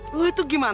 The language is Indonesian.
lo itu gimana sih